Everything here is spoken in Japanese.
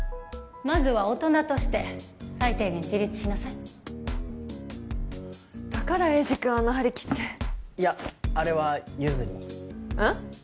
まずは大人として最低限自立しなさいだから栄治くんあんな張り切っていやあれはユズにうんっ？